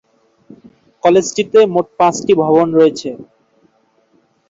কলেজটিতে মোট পাঁচটি ভবন রয়েছে।